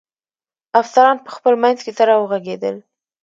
افسران په خپل منځ کې سره و غږېدل.